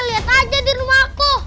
lihat aja di rumahku